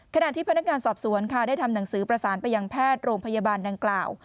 ขณะที่พนักงานสอบสวนค่ะได้ทำหนังสือประสานไปยังแพทย์โรงพยาบาลดังกล่าว